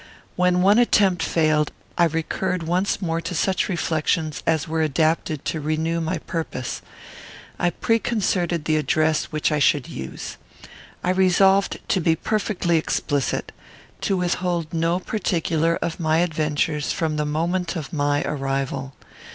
When one attempt failed, I recurred once more to such reflections as were adapted to renew my purpose. I preconcerted the address which I should use. I resolved to be perfectly explicit; to withhold no particular of my adventures from the moment of my arrival.